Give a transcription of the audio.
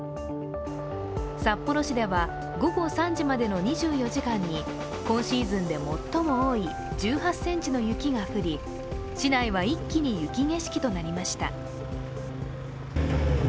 札幌市では午後３時までの２４時間に今シーズンで最も多い１８ｃｍの雪が降り市内は一気に雪景色となりました。